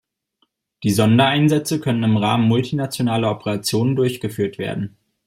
Die Sondereinsätze können im Rahmen multinationaler Operationen durchgeführt werden.